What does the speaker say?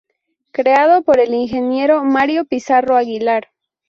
Creado por el Ingeniero Mario Pizarro Aguilar.